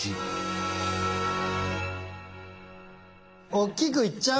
おっきくいっちゃう？